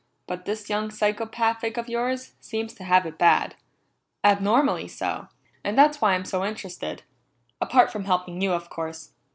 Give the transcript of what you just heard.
But this young psychopathic of yours seems to have it bad abnormally so, and that's why I'm so interested, apart from helping you, of course."